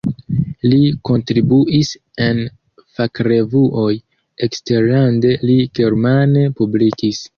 Li kontribuis en fakrevuoj, eksterlande li germane publikis.